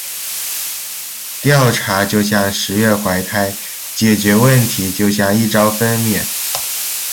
调查就像“十月怀胎”，解决问题就像“一朝分娩”。